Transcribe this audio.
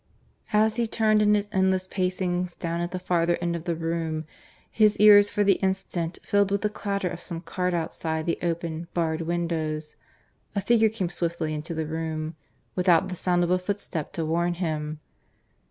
As he turned in his endless pacings, down at the farther end of the room, his ears for the instant filled with the clatter of some cart outside the open, barred windows, a figure came swiftly into the room, without the sound of a footstep to warn him.